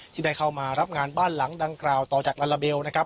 ที่ได้เข้ามารับงานบ้านหลังดั้งกล่าวต่อจากรัลลาเบล